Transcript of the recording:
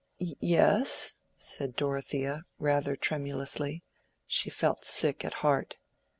"Yes," said Dorothea, rather tremulously. She felt sick at heart.